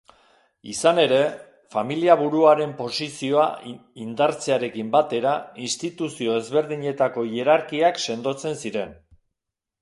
Izan ere, familiaburuaren posizioa indartzearekin batera instituzio ezberdinetako hierarkiak sendotzen ziren.